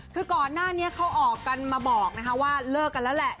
คือก่อนหน้านี้เขาออกกันมาบอกว่าเลิกกันแล้วแหละ